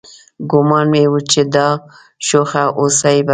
ګومان مې و چې دا شوخه هوسۍ به